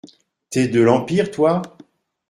T'es de l'Empire, toi ?